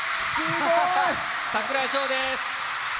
櫻井翔です。